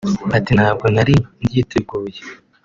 Ati “Ntabwo nari mbyiteguye